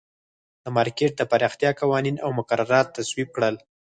د مارکېټ د پراختیا قوانین او مقررات تصویب کړل.